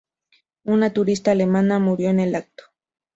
Una turista alemana murió en el acto.